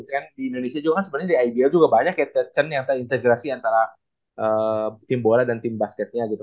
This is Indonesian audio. misalkan di indonesia juga kan sebenarnya di igl juga banyak yang terintegrasi antara tim bola dan tim basketnya gitu